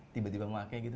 tiba tiba memakai gitu